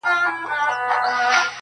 • چي هغه ستا سيورى له مځكي ورك سو.